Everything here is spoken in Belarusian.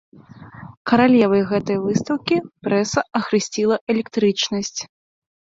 Каралевай гэтай выстаўкі прэса ахрысціла электрычнасць.